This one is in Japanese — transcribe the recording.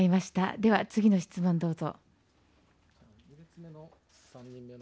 では次の質問どうぞ。